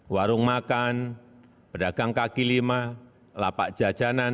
warung makan pedagang kaki lima lapak jajanan